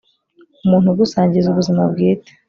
umuntu ugusangiza ubuzima bwite